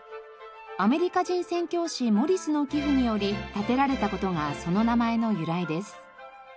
アメリカ人宣教師モリスの寄付により建てられた事がその名前の由来です。